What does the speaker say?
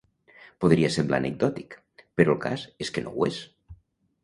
Podria semblar anecdòtic, però el cas és que no ho és.